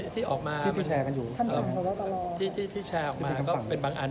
ที่ออกมาแชร์กันอยู่ที่แชร์ออกมาก็เป็นบางอัน